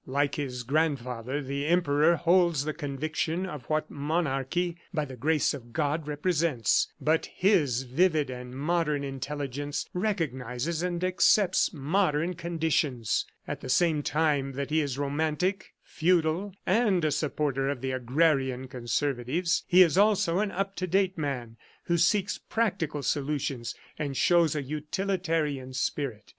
Like his grandfather, the Emperor holds the conviction of what monarchy by the grace of God represents, but his vivid and modern intelligence recognizes and accepts modern conditions. At the same time that he is romantic, feudal and a supporter of the agrarian conservatives, he is also an up to date man who seeks practical solutions and shows a utilitarian spirit.